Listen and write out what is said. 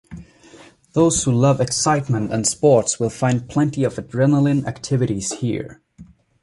Those who love excitement and sports will find plenty of adrenaline activities here.